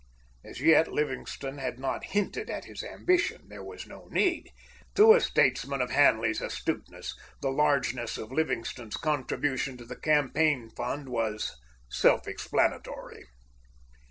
As yet, Livingstone had not hinted at his ambition. There was no need. To a statesman of Hanley's astuteness, the largeness of Livingstone's contribution to the campaign fund was self explanatory.